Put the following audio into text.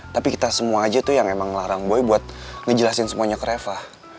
tapi kita semua aja tuh yang emang larang boy buat ngejelasin semuanya ke refa